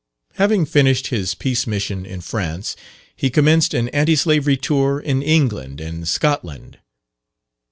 Having finished his Peace mission in France, he commenced an Anti slavery tour in England and Scotland.